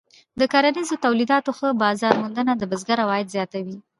د کرنیزو تولیداتو ښه بازار موندنه د بزګر عواید زیاتوي.